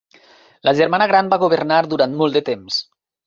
La germana gran va governar durant molt de temps.